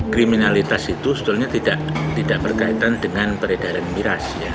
kriminalitas itu sebetulnya tidak berkaitan dengan peredaran miras